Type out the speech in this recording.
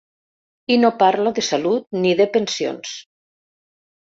I no parlo de salut, ni de pensions.